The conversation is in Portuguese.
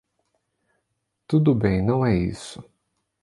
Tudo bem, não é isso.